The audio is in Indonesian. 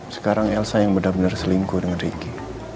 sekarang elsa yang benar benar selingkuh dengan ricky